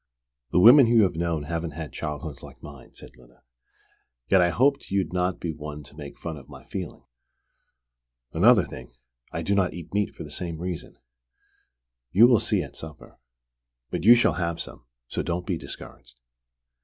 "The women you have known haven't had childhoods like mine," said Lyda. "Yet I hoped you'd not be one to make fun of my feeling. Another thing: I do not eat meat for the same reason. You will see, at supper. But you shall have some, so don't be discouraged!"